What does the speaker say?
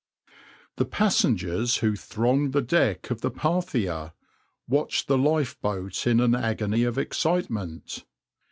\par The passengers who thronged the deck of the {\itshape{Parthia}} watched the lifeboat in an agony of excitement.